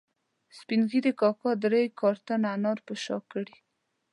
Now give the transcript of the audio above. سپین ږیري کاکا درې کارتنه انار په شا کړي